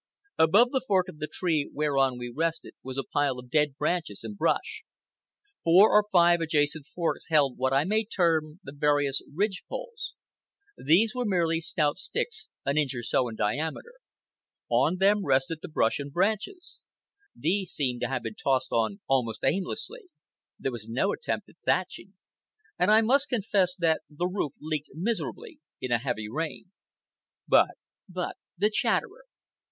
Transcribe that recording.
Above the fork of the tree whereon we rested was a pile of dead branches and brush. Four or five adjacent forks held what I may term the various ridge poles. These were merely stout sticks an inch or so in diameter. On them rested the brush and branches. These seemed to have been tossed on almost aimlessly. There was no attempt at thatching. And I must confess that the roof leaked miserably in a heavy rain. But the Chatterer.